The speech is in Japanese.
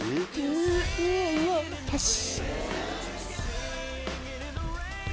よし！